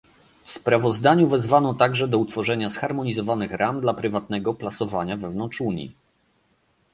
W sprawozdaniu wezwano także do utworzenia zharmonizowanych ram dla prywatnego plasowania wewnątrz Unii